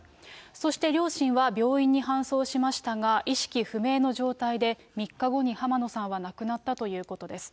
そして、両親は病院に搬送しましたが、意識不明の状態で３日後に浜野さんは亡くなったということです。